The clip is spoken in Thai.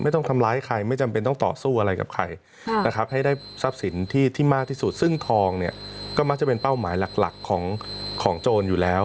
ที่มากที่สุดซึ่งทองเนี่ยก็มักจะเป็นเป้าหมายหลักของโจรอยู่แล้ว